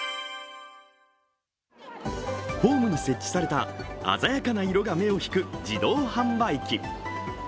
ホームに設置された鮮やかな色が目を引く自動販売機。